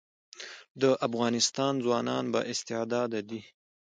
د افغانستان ځوانان با استعداده دي